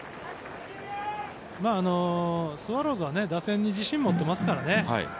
スワローズは打線に自信を持ってますからね。